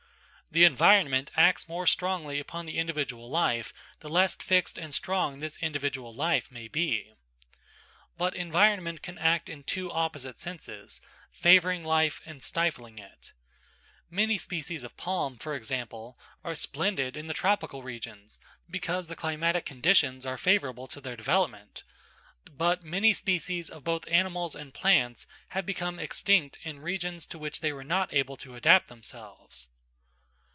The environment acts more strongly upon the individual life the less fixed and strong this individual life may be. But environment can act in two opposite senses, favouring life, and stifling it. Many species of palm, for example, are splendid in the tropical regions, because the climatic conditions are favourable to their development, but many species of both animals and plants have become extinct in regions to which they were not able to adapt themselves.